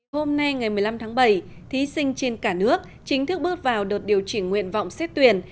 hôm nay ngày một mươi năm tháng bảy thí sinh trên cả nước chính thức bước vào đợt điều chỉnh nguyện vọng xét tuyển